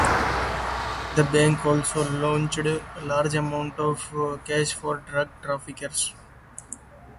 The bank also laundered large amounts of cash for drug traffickers.